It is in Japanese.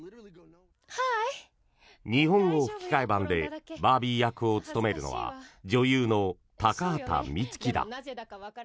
日本の吹き替え版でバービー役を務めるのは女優の高畑充希だ。